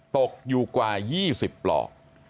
ตกอยู่กว่า๒๐ปลอก